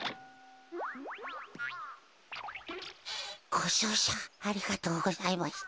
ごじょうしゃありがとうございました。